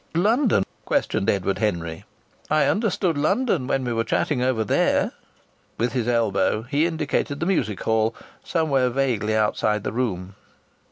"London?" questioned Edward Henry, "I understood London when we were chatting over there." With his elbow he indicated the music hall, somewhere vaguely outside the room.